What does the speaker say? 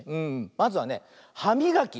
まずはねはみがき。